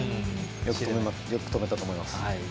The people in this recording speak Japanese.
よく止めたと思います。